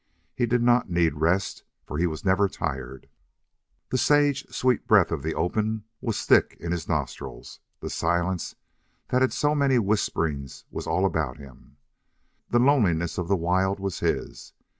He did not need rest, for he was never tired. The sage sweet breath of the open was thick in his nostrils, the silence that had so many whisperings was all about him, the loneliness of the wild was his.